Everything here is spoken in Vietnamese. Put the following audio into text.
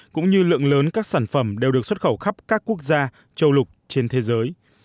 cũng như lượng lớn các sản phẩm đều được xuất khẩu khắp các quốc gia châu lục trên thế giới